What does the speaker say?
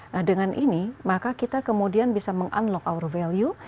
nah dengan ini maka kita kemudian bisa meng unlock our value